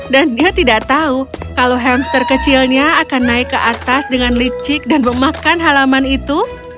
dan dia tidak tahu kalau hamster kecilnya akan naik ke atas dengan licik dan memakan halaman itu